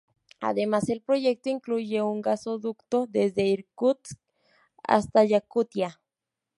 Además, el proyecto incluye un gasoducto desde Irkutsk hasta Yakutia.